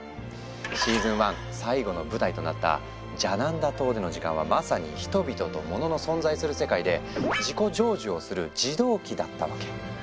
シーズン１最後の舞台となったジャナンダ島での時間はまさに人々とものの存在する世界で「自己成就」をする「児童期」だったわけ。